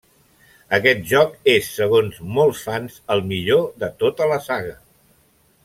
Aquest joc és, segons molts fans, el millor de tota la saga.